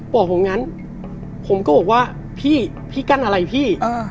บอกผมงั้นผมก็บอกว่าพี่พี่กั้นอะไรพี่